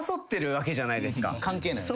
関係ないよね。